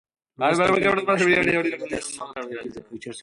لوستې میندې د ماشوم پر ودې مثبت اغېز کوي.